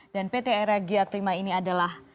dan pt era giat prima ini adalah